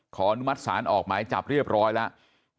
อนุมัติศาลออกหมายจับเรียบร้อยแล้ว